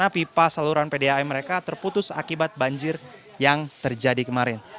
karena pipa saluran pdai mereka terputus akibat banjir yang terjadi kemarin